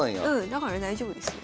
だから大丈夫ですよ。